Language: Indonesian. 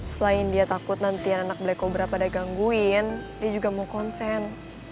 selain dia takut nanti anak anak black cobra pada gangguin dia juga mau konsen